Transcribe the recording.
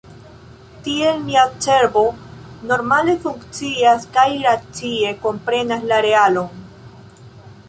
Tiel, mia cerbo normale funkcias kaj racie komprenas la realon.